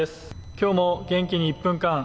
今日も元気に「１分間！